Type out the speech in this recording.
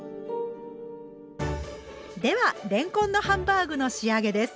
ではれんこんのハンバーグの仕上げです。